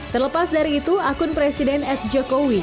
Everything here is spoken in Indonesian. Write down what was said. terlepas dari itu akun presiden at jokowi